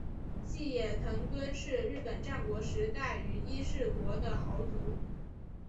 细野藤敦是日本战国时代于伊势国的豪族。